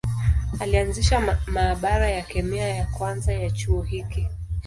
Alianzisha maabara ya kemia ya kwanza ya chuo hiki.